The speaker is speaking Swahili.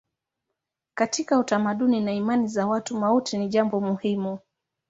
Katika utamaduni na imani za watu mauti ni jambo muhimu.